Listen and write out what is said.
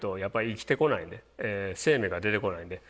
生命が出てこないんで。